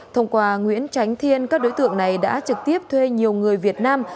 thông qua nguyễn tránh thiên các đối tượng này đã trực tiếp thuê nhiều người việt nam